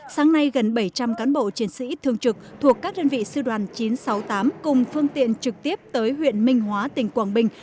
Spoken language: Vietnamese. sáng nay gần bảy trăm linh cán bộ chiến sĩ thương trực thuộc các đơn vị sư đoàn chín trăm sáu mươi tám cùng phương tiện trực tiếp tới huyện minh hóa tỉnh quảng bình